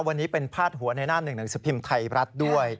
วันนี้เป็นพาดหัวในหน้าหนึ่งหนังสือพิมพ์ไทยรัฐด้วย